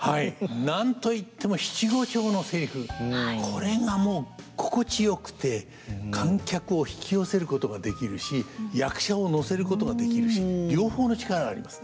これがもう心地よくて観客を引き寄せることができるし役者を乗せることができるし両方の力がありますねはい。